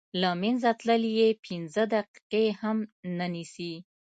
له منځه تلل یې پنځه دقیقې هم نه نیسي.